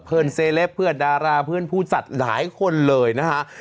เซเลปเพื่อนดาราเพื่อนผู้จัดหลายคนเลยนะฮะ